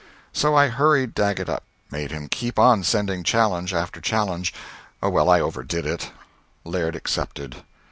So I hurried Daggett up; made him keep on sending challenge after challenge. Oh, well, I overdid it; Laird accepted.